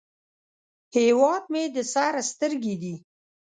هیواد مې د سر سترګې دي